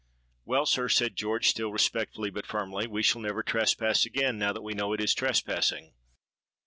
'—'Well, sir,' said George, still respectfully but firmly, 'we shall never trespass again, now that we know it is trespassing.'